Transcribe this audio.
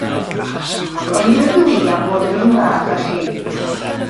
Ond mi rydw i am fod yr un fath â chi.